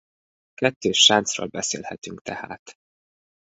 Kettős sáncról beszélhetünk tehát.